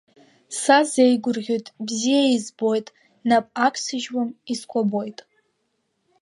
Са сеигәырӷьоит, бзиа избоит, нап агсыжьуам, искәабоит.